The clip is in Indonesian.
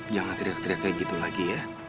jangan teriak teriak kayak gitu lagi ya